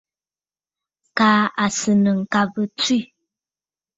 Kaa à sɨ̀ nɨ̂ ŋ̀kabə tswê.